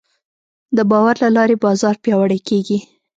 د باور له لارې بازار پیاوړی کېږي.